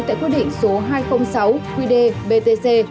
tại quyết định số hai trăm linh sáu qd btc